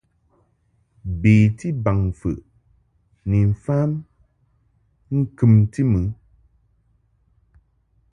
Beti baŋmfəʼ ni mfam ŋkɨmti mɨ.